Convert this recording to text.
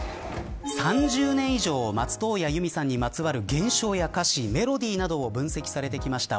３０年以上松任谷由実さんにまつわる現象や歌詞メロディーなどを分析されてきました